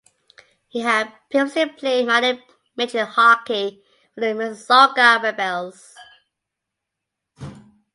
He had previously played minor midget hockey for the Mississauga Rebels.